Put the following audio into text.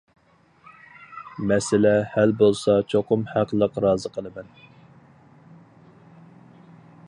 مەسىلە ھەل بولسا چوقۇم ھەقلىق رازى قىلىمەن.